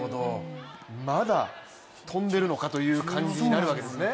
まだ跳んでるのかという感じになるわけですね。